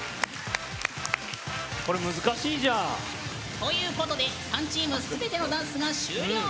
ということで３チームすべてのダンスが終了！